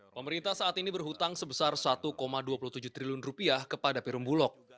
pemerintah saat ini berhutang sebesar satu dua puluh tujuh triliun rupiah kepada perumbulok